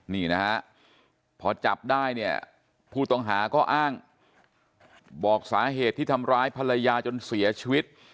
นี่นะฮะพอจับได้เนี่ยผู้ต้องหาก็อ้างบอกสาเหตุที่ทำร้ายภรรยาจนเสียชีวิต